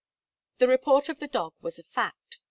The report of the dog was a fact.